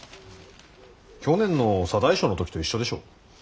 去年の左大将の時と一緒でしょう。